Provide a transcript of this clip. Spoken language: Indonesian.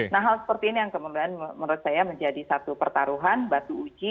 nah hal seperti ini yang kemudian menurut saya menjadi satu pertaruhan batu uji